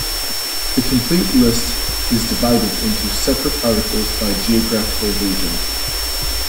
The complete list is divided into separate articles by geographical region.